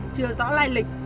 chưa rõ lai lịch